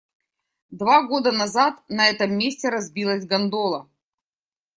Два года назад на этом месте разбилась гондола.